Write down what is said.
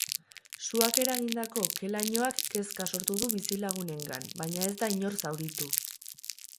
Suak eragindako ke-lainoak kezka sortu du bizilagunengan, baina ez da inor zauritu.